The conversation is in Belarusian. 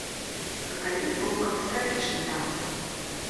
Какаін быў катастрафічна танны.